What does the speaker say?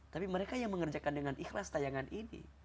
tapi mereka yang mengerjakan dengan ikhlas tayangan ini